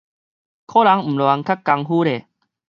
苦人毋亂較功夫咧